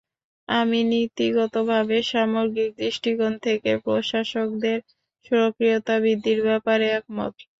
আমি নীতিগতভাবে সামগ্রিক দৃষ্টিকোণ থেকে প্রশাসকদের সক্রিয়তা বৃদ্ধির ব্যাপারে একমত।